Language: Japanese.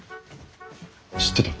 知ってた？